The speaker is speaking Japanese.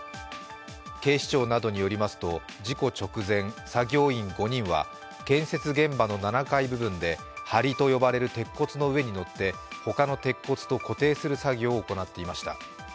警視庁などによりますと、事故直前、作業員５人は建設現場の７階部分ではりと呼ばれる鉄骨の上に乗ってほかの鉄骨と固定する作業を行っていました。